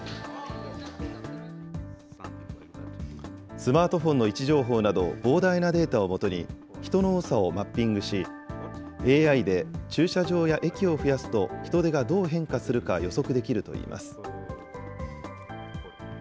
スマートフォンの位置情報など、膨大なデータを基に、人の多さをマッピングし、ＡＩで駐車場や駅を増やすと、人出がどう変化するか予測できるといいます。